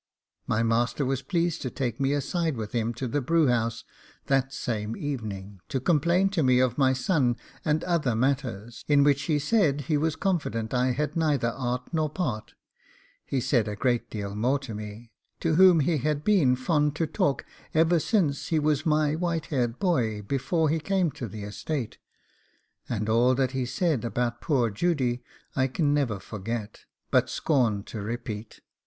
My master was pleased to take me aside with him to the brewhouse that same evening, to complain to me of my son and other matters, in which he said he was confident I had neither art nor part; he said a great deal more to me, to whom he had been fond to talk ever since he was my white headed boy before he came to the estate; and all that he said about poor Judy I can never forget, but scorn to repeat.